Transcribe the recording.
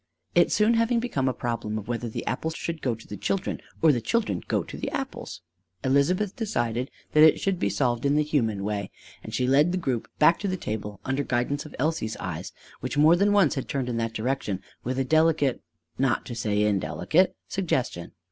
It soon having become a problem of whether the apples should go to the children or the children go to the apples, Elizabeth decided that it should be solved in the human way; and she led the group back to the table under guidance of Elsie's eyes, which more than once had turned in that direction with a delicate, not to say indelicate, suggestion.